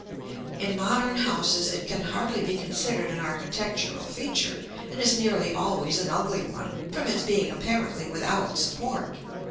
In modern houses it can hardly be considered an architectural feature, and is nearly always an ugly one, from its being apparently without support.